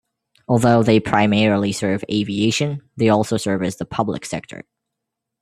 Although they primarily serve aviation they also service the public sector.